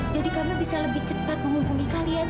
jadi kami bisa lebih cepat menghubungi kalian